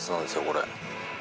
これ。